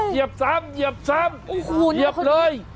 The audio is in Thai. พบเถียบซ้ำเถียบซ้ำเถียบเลย